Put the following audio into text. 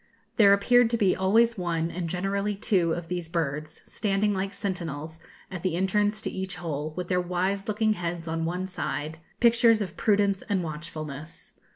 There appeared to be always one, and generally two, of these birds, standing, like sentinels, at the entrance to each hole, with their wise looking heads on one side, pictures of prudence and watchfulness.